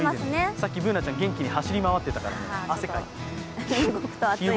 さっきＢｏｏｎａちゃん、元気に走り回ってたから汗かいてる。